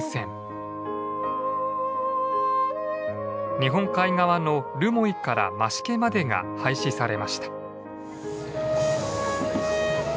日本海側の留萌から増毛までが廃止されました。